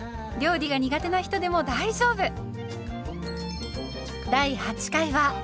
料理が苦手な人でも大丈夫。